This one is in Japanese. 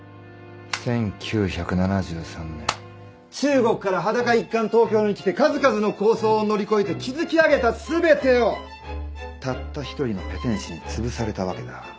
１９７３年中国から裸一貫東京に来て数々の抗争を乗り越えて築き上げた全てをたった１人のペテン師につぶされたわけだ。